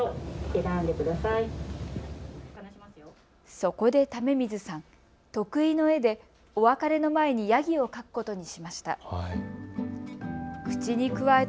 そこで為水さん、得意の絵でお別れの前にヤギを描くことにしました。